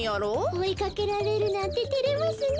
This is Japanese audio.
おいかけられるなんててれますねえ。